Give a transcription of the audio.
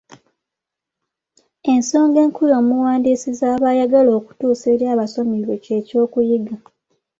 Ensonga enkulu omuwandiisi z’aba ayagala okutuusa eri abasomi be ky’ekyokuyiga.